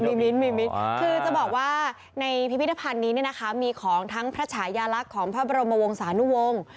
คือจะบอกว่าในพิพิธภัณฑ์นี้มีของทั้งพระฉายาลักษมณ์ของพระบรมวงศานุวง